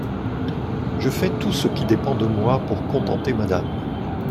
Je fais tout ce qui dépend de moi pour contenter Madame.